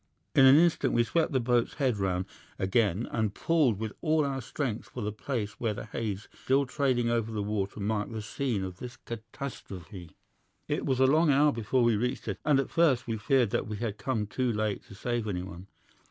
In an instant we swept the boat's head round again and pulled with all our strength for the place where the haze still trailing over the water marked the scene of this catastrophe. "'It was a long hour before we reached it, and at first we feared that we had come too late to save any one.